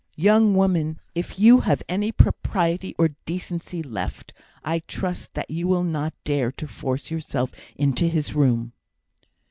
"Young woman, if you have any propriety or decency left, I trust that you will not dare to force yourself into his room."